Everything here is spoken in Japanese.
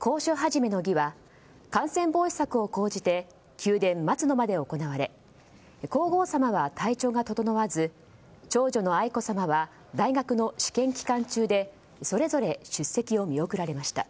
講書始の儀は感染防止策を講じて宮殿松の間で行われ皇后さまは体調が整わず長女の愛子さまは大学の試験期間中でそれぞれ出席を見送られました。